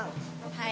はい。